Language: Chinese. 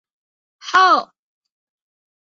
后改为滨州知州。